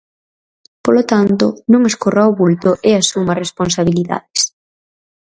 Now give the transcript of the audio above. Polo tanto, non escorra o vulto e asuma responsabilidades.